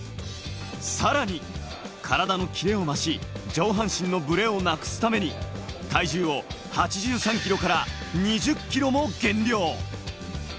さらに体のキレを増し、上半身のブレをなくすために、体重を８３ｋｇから２０ｋｇも減量。